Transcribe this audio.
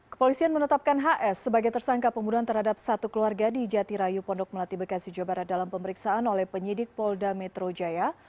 kepolisian menetapkan hs sebagai tersangka pembunuhan terhadap satu keluarga di jatirayu pondok melati bekasi jawa barat dalam pemeriksaan oleh penyidik polda metro jaya